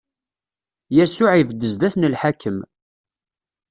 Yasuɛ ibedd zdat n lḥakem.